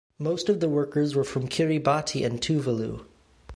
Most of the workers were from Kiribati and Tuvalu.